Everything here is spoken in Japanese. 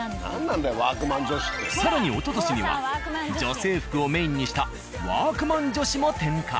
更におととしには女性服をメインにした「＃ワークマン女子」も展開。